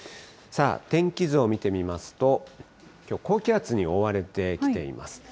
さあ、天気図を見てみますと、きょう、高気圧に覆われてきています。